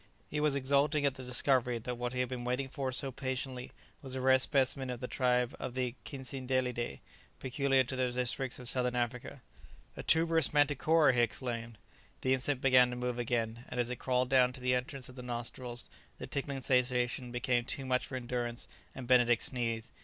He was exulting at the discovery that what he had been waiting for so patiently was a rare specimen of the tribe of the Cicindelidæ, peculiar to the districts of Southern Africa. "A tuberous manticora!" he exclaimed. The insect began to move again, and as it crawled down to the entrance of the nostrils the tickling sensation became too much for endurance, and Benedict sneezed.